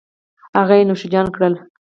هغه یې نوش جان کړل